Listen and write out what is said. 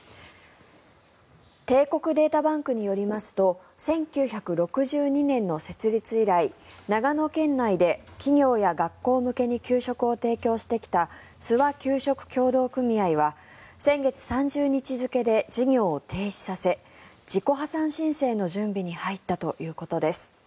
帝国データバンクによりますと１９６２年の設立以来長野県内で企業や学校向けに給食を提供してきた諏訪給食協同組合は先月３０日付で事業を停止させ自己破産申請の準備に入ったということです。